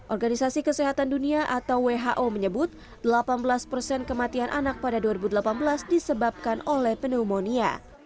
organisasi kesehatan dunia atau who menyebut delapan belas persen kematian anak pada dua ribu delapan belas disebabkan oleh pneumonia